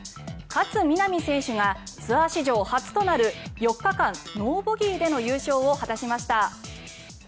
勝みなみ選手がツアー史上初となる４日間ノーボギーでの優勝を果たしました。